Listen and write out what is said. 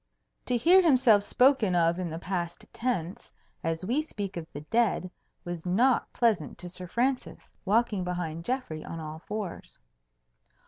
To hear himself spoken of in the past tense, as we speak of the dead, was not pleasant to Sir Francis, walking behind Geoffrey on all fours.